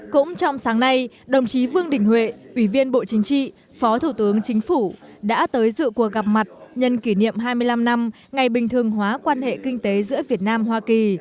cũng trong sáng nay đồng chí vương đình huệ ủy viên bộ chính trị phó thủ tướng chính phủ đã tới dự cuộc gặp mặt nhân kỷ niệm hai mươi năm năm ngày bình thường hóa quan hệ kinh tế giữa việt nam hoa kỳ